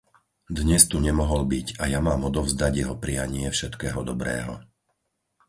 Dnes tu nemohol byť a ja mám odovzdať jeho prianie všetkého dobrého.